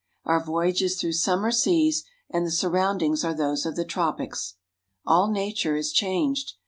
Our voyage is through summer seas, and the surroundings are those of the tropics. All nature is changed.